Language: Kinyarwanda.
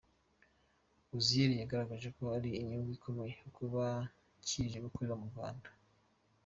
Uziel yagaragaje ko ari inyungu ikomeye kuba kije gukorera mu Rwanda.